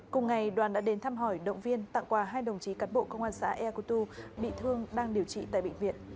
cùng ngày đoàn đã đến thăm hỏi động viên tặng quà hai đồng chí cán bộ công an xã eakutu bị thương đang điều trị tại bệnh viện